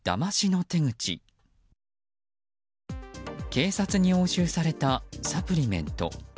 警察に押収されたサプリメント。